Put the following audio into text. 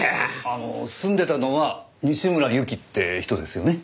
あの住んでたのは西村由季って人ですよね？